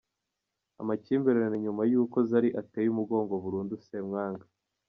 Amakimbirane nyuma y’uko Zari ateye umugongo burundu Ssemwanga.